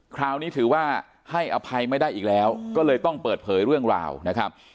คราวนี้ถือว่าให้อภัยไม่ได้อีกแล้วก็เลยต้องเปิดเผยเรื่องราวนะครับ